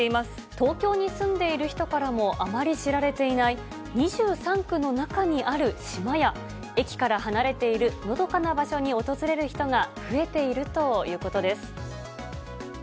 東京に住んでいる人からもあまり知られていない、２３区の中にある島や、駅から離れている、のどかな場所に訪れる人が増えているということです。